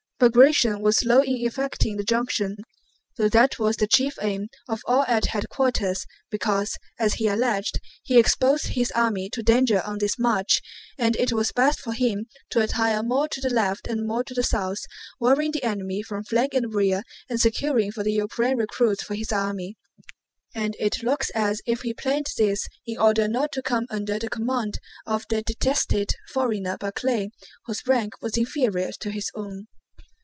Bagratión was slow in effecting the junction—though that was the chief aim of all at headquarters—because, as he alleged, he exposed his army to danger on this march, and it was best for him to retire more to the left and more to the south, worrying the enemy from flank and rear and securing from the Ukraine recruits for his army; and it looks as if he planned this in order not to come under the command of the detested foreigner Barclay, whose rank was inferior to his own.